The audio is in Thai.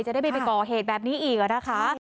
จะได้ไปก่อเหตุแบบนี้อีกแล้วนะคะ